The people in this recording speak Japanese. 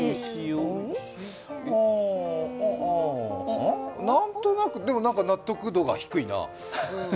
う何となく、でも、納得度が低いな。